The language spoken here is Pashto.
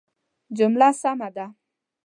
جمله سمه ده